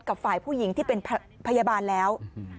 กับฝ่ายผู้หญิงที่เป็นพยาบาลแล้ว